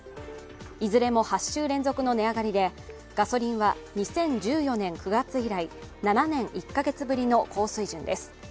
いずれも８週連続の値上がりでガソリンは２０１４年９月以来、７年１カ月ぶりの高水準です。